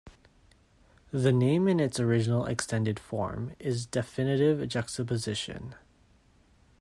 The name in its original extended form is Definitive Juxtaposition.